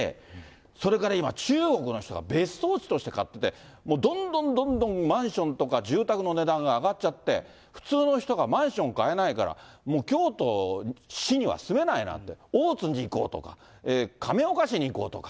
それから今、中国の人が別荘地として買って、もうどんどんどんどん、マンションとか住宅の値段が上がっちゃって、普通の人がマンション買えないから、もう京都市には住めないなんて、大津に行こうとか、亀岡市に行こうとか。